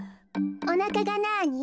おなかがなに？